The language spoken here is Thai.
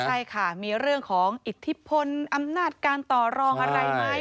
ใช่ค่ะมีเรื่องของอิทธิพลอำนาจการต่อรองอะไรไหม